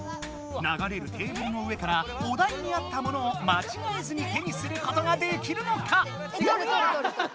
ながれるテーブルの上からお題にあったものをまちがえずに手にすることができるのか！